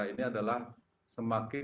acara ini adalah semakin